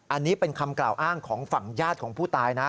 อันนี้เป็นคำกล่าวอ้างของฝั่งญาติของผู้ตายนะ